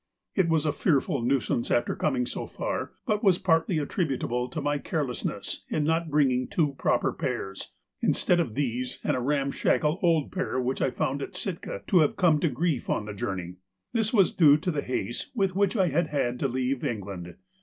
It was a fearful nuisance after coming so far, but was partly attributable to my carelessness in not bringing two proper pairs, instead of these and a ramshackle old pair which I found at Sitka to have come to grief on the journey. This was due to the haste with which I had had to leave England.